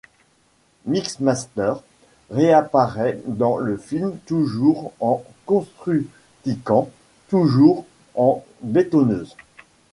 Mixmaster réapparait dans le film toujours en Constructican, toujours en bétonneuse.